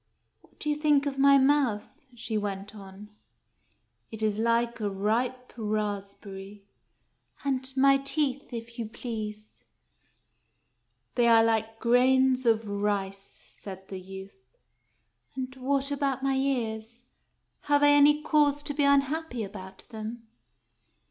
" What do you think of my mouth ?" she went on. " It is like a ripe raspberry." "And my teeth, if you please ?"" They are like grains of rice," said the youth. "And what about my ears ? Have I any cause to be un happy about them